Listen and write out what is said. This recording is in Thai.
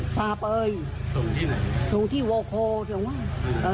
ส่งที่โวโคสจังหวัง